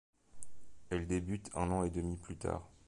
Elle débute un an et demi plus tard.